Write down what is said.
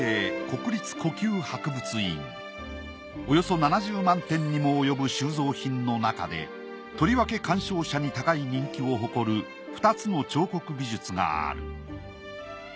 およそ７０万点にも及ぶ収蔵品のなかでとりわけ鑑賞者に高い人気を誇る２つの彫刻美術がある。